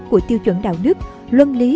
của tiêu chuẩn đạo đức luân lý